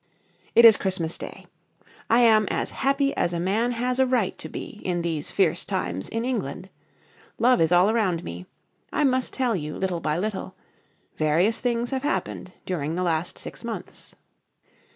It is Christmas day. I am as happy as a man has a right to be in these fierce times in England. Love is all around me. I must tell you little by little. Various things have happened during the last six months.